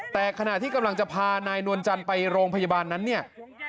แต่ขณะที่กำลังจะพานายนวลจันทร์ไปโรงพยาบาลนั้นเนี่ย